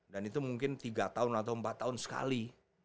dan itu mungkin tiga tahun atau empat tahun sekali